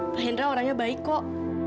pak hendra orangnya baik kok